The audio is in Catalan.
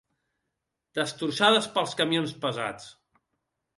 Destrossades pels camions pesats